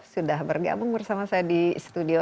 sudah bergabung bersama saya di studio